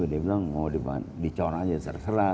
dia bilang mau dibangun dicor aja serah serah